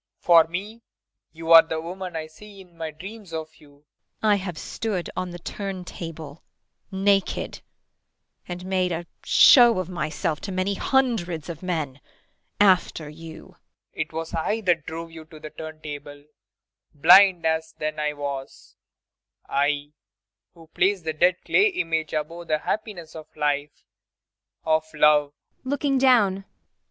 For me, you are the woman I see in my dreams of you. IRENE. I have stood on the turn table naked and made a show of myself to many hundreds of men after you. PROFESSOR RUBEK. It was I that drove you to the turn table blind as I then was I, who placed the dead clay image above the happiness of life of love. IRENE.